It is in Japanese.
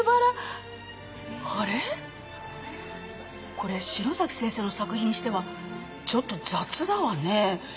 これ篠崎先生の作品にしてはちょっと雑だわね。